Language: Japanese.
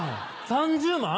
３０万？